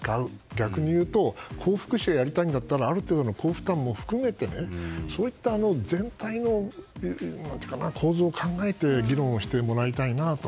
逆に言うと高福祉がやりたいんだったらある程度の幸福感も含めてそういった全体の構造を考えて議論をしてもらいたいなと。